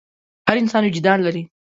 هر انسان وجدان لري.